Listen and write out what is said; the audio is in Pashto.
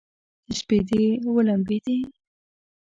چې سپېدې ولمبیدې